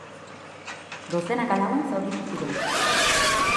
Dozenaka lagun zauritu ziren.